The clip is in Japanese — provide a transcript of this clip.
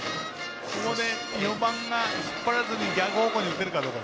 ここで４番が引っ張らずに逆方向に打てるかどうか。